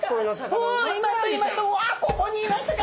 あっここにいましたか！